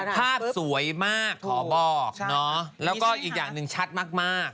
ภาพสวยมากขอบอกเนาะแล้วก็อีกอย่างหนึ่งชัดมาก